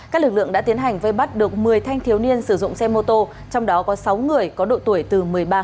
các lực lượng đã tiến hành vây bắt được một mươi thanh thiếu niên sử dụng xe mô tô trong đó có sáu người có độ tuổi từ một mươi ba